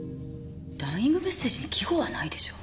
ダイイングメッセージに季語はないでしょ。